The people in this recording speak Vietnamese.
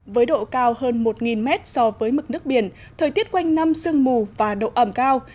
với độ cao hơn một mét so với mực nước biển thời tiết quanh năm sương mù và độ ẩm cao